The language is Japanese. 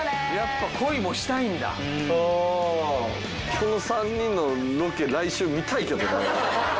この３人のロケ来週見たいけどな。